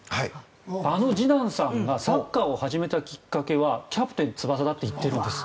あのジダンさんがサッカーを始めたきっかけは「キャプテン翼」だと言っているんです。